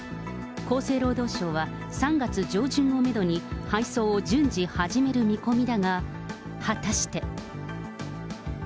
厚生労働省は、３月上旬をメドに、配送を順次始める見込みだが、果たして。